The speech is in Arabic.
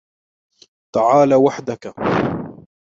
تعالَ وحدك.